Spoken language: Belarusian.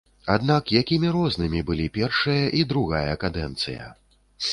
Аднак якімі рознымі былі першая і другая кадэнцыя.